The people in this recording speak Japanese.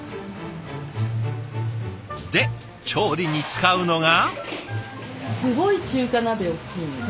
で調理に使うのが。